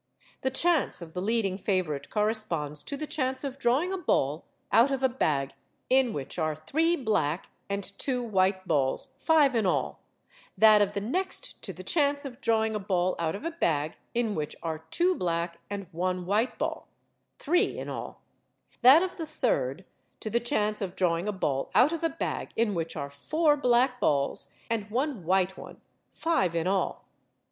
The chance of the leading favourite corresponds to the chance of drawing a ball out of a bag in which are three black and two white balls, five in all; that of the next to the chance of drawing a ball out of a bag in which are two black and one white ball, three in all; that of the third, to the chance of drawing a ball out of a bag in which are four black balls and one white one, five in all.